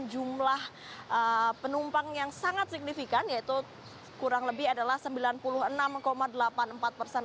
jumlah penumpang yang sangat signifikan yaitu kurang lebih adalah sembilan puluh enam delapan puluh empat persen